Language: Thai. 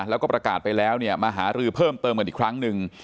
แล้วก็ประกาศไปแล้วเนี่ยมาหารือเพิ่มเติมกันอีกครั้งหนึ่ง